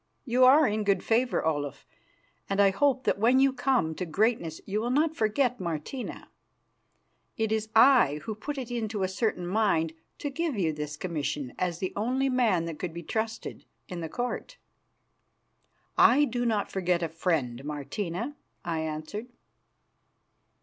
You are in good favour, Olaf, and I hope that when you come to greatness you will not forget Martina. It was I who put it into a certain mind to give you this commission as the only man that could be trusted in the Court." "I do not forget a friend, Martina," I answered.